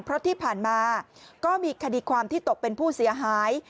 เพราะที่ผ่านมาก็มีคดีความที่ตกเป็นผู้เสียหาย